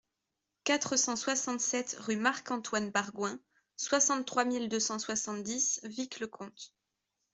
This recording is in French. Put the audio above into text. quatre cent soixante-sept rue Marc-Antoine Bargoin, soixante-trois mille deux cent soixante-dix Vic-le-Comte